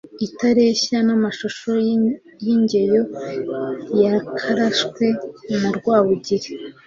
Itareshya n' amashyo y' IngeyoYakaraswe na Rwabugiri